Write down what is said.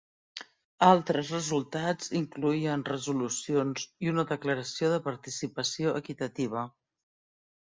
Altres resultats incloïen resolucions i una Declaració de Participació Equitativa.